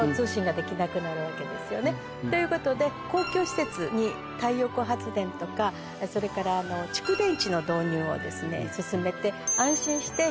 ということで公共施設に太陽光発電とかそれから蓄電池の導入を進めて。